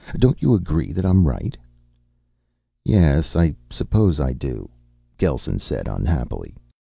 Don't you agree that I'm right?" "Yes, I suppose I do," Gelsen said unhappily.